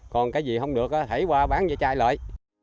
còn cái gì không được thì hãy qua bán cho chai lợi